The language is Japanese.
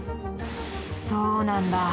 そうなんだ。